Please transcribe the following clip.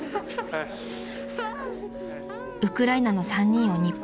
［ウクライナの３人を日本に呼ぼう］